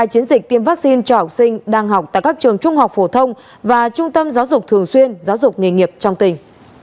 chiến dịch tiêm vaccine cho học sinh đang học tại các trường trung học phổ thông và trung tâm giáo dục thường xuyên giáo dục nghề nghiệp trong tỉnh